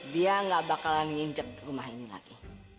dia gak bakalan nginjek rumah ini lagi